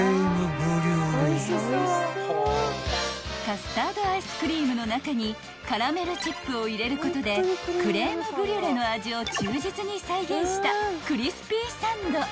［カスタードアイスクリームの中にカラメルチップを入れることでクレームブリュレの味を忠実に再現したクリスピーサンド］